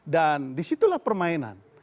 dan disitulah permainan